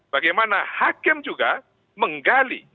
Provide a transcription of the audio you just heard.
bagaimana hakim juga menggali